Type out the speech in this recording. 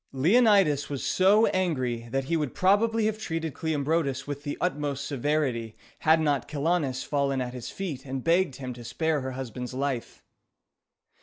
Leonidas was so angry that he would probably have treated Cleombrotus with the utmost severity, had not Chilonis fallen at his feet and begged him to spare her husband's life.